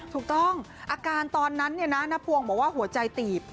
ถูกต้องอาการตอนนั้นน้าพวงบอกว่าหัวใจตีบ